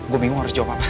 gue bingung harus jawab apa